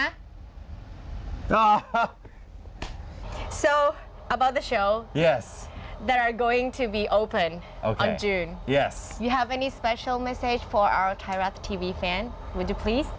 คุณผู้ชมใบสีแดงที่จะเปิดตอนจุนคุณมีสัญลักษณะให้ไทรแรท์ทีวีแฟนมั้ยครับ